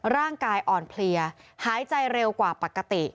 ร่างกายอ่อนเพลียหายใจเร็วกว่าปกติ